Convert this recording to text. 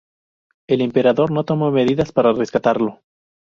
El emperador no tomó medidas para rescatarlo.